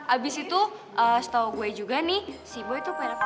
abis itu setau gue juga nih si boy tuh perempuan